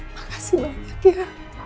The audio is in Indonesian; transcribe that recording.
makasih banyak ya